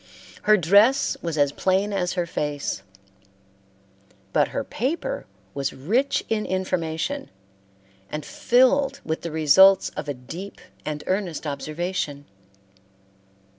Her dress was as plain as her face, but her paper was rich in information and filled with the results of a deep and earnest observation.